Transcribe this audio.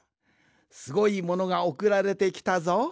すごいものがおくられてきたぞ。